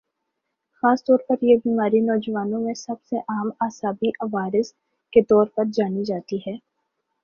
خاص طور پر یہ بیماری نوجوانوں میں سب سے عام اعصابی عوارض کے طور پر جانی جاتی ہے